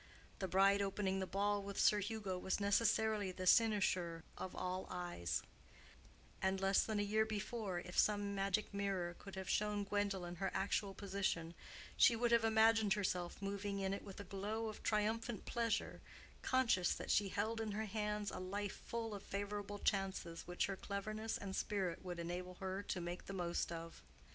The bride opening the ball with Sir Hugo was necessarily the cynosure of all eyes; and less than a year before, if some magic mirror could have shown Gwendolen her actual position, she would have imagined herself moving in it with a glow of triumphant pleasure, conscious that she held in her hands a life full of favorable chances which her cleverness and spirit would enable her to make the best of.